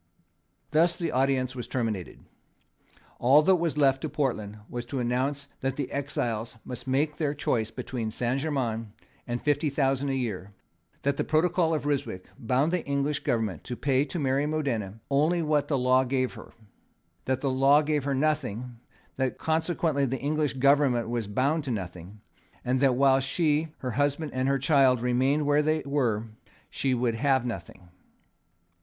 Thus the audience terminated. All that was left to Portland was to announce that the exiles must make their choice between Saint Germains and fifty thousand a year; that the protocol of Ryswick bound the English government to pay to Mary of Modena only what the law gave her; that the law gave her nothing; that consequently the English government was bound to nothing; and that, while she, her husband and her child remained where they were, she should have nothing.